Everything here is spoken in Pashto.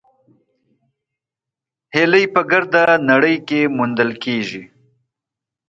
هیلۍ په ګرده نړۍ کې موندل کېږي